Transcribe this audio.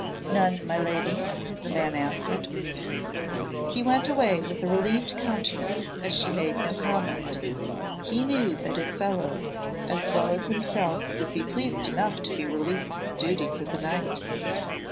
"None, my lady," the man answered. He went away with a relieved countenance, as she made no comment. He knew that his fellows as well as himself would be pleased enough to be released from duty for the night.